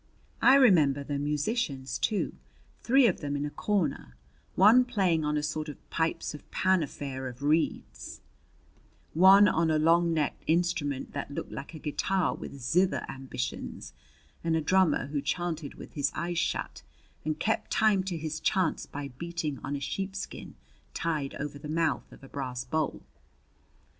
I remember the musicians too three of them in a corner: one playing on a sort of pipes of Pan affair of reeds, one on a long necked instrument that looked like a guitar with zither ambitions, and a drummer who chanted with his eyes shut and kept time to his chants by beating on a sheepskin tied over the mouth of a brass bowl.